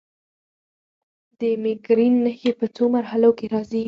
د مېګرین نښې په څو مرحلو کې راځي.